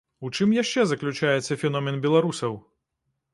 У чым яшчэ заключаецца феномен беларусаў?